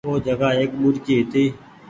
او جگآ ايڪ ٻوڏڪي هيتي۔